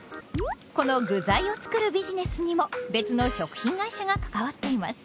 この具材を作るビジネスにも別の食品会社が関わっています。